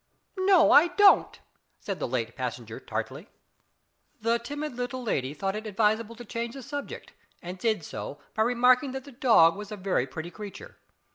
"No, I don't!" said the late passenger tartly. The timid little lady thought it advisable to change the subject and did so by remarking that the dog was a very pretty creature.